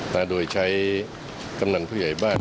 มาโดยใช้กำนันผู้ใหญ่บ้าน